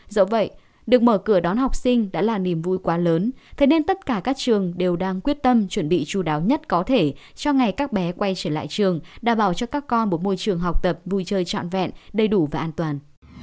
dẫu vậy được mở cửa đón học sinh đã là niềm vui quá lớn thế nên tất cả các trường đều đang quyết tâm chuẩn bị chú đáo nhất có thể cho ngày các bé quay trở lại trường đảm bảo cho các con một môi trường học tập vui chơi trọn vẹn đầy đủ và an toàn